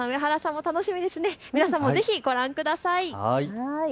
皆さんもぜひご覧ください。